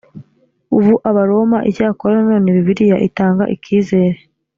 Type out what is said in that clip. ubu abaroma icyakora nanone bibiliya itanga icyizere